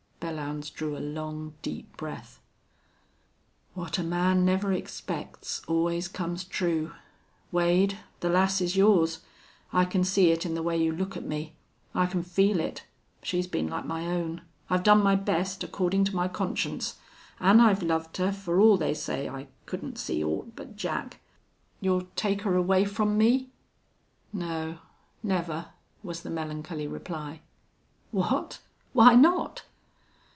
Belllounds drew a long, deep breath. "What a man never expects always comes true.... Wade, the lass is yours. I can see it in the way you look at me. I can feel it.... She's been like my own. I've done my best, accordin' to my conscience. An' I've loved her, for all they say I couldn't see aught but Jack.... You'll take her away from me?" "No. Never," was the melancholy reply. "What! Why not?"